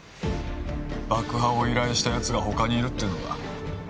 爆破を依頼したやつが他にいるっていうのか？